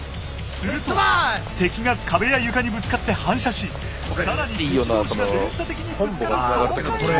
すると敵が壁や床にぶつかって反射し更に敵同士が連鎖的にぶつかる爽快アクションだ！